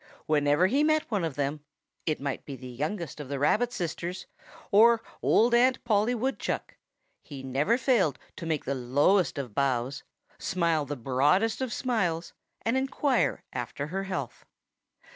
Whenever he met one of them it might be the youngest of the Rabbit sisters, or old Aunt Polly Woodchuck he never failed to make the lowest of bows, smile the broadest of smiles, and inquire after her health.